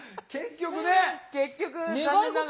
結局ね。